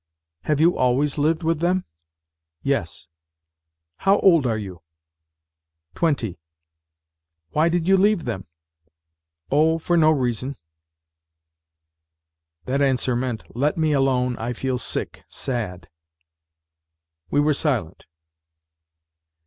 "'" Have you always lived with them ?"" Yes." " How old are you ?"" Twenty." " Why did you leave them ?"" Oh, for no reason." That answer meant " Let me alone; I feel sick, sad." We were silent.